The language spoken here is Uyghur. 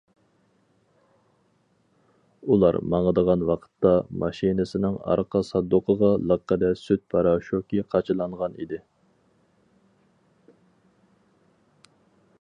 ئۇلار ماڭىدىغان ۋاقىتتا، ماشىنىسىنىڭ ئارقا ساندۇقىغا لىققىدە سۈت پاراشوكى قاچىلانغان ئىدى.